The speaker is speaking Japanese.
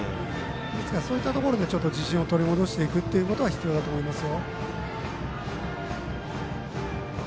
そういったところで自信を取り戻していくということは必要だと思います。